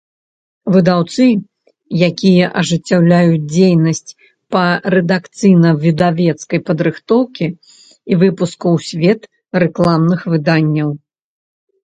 Выдаўцы, якiя ажыццяўляюць дзейнасць па рэдакцыйна-выдавецкай падрыхтоўцы i выпуску ў свет рэкламных выданняў.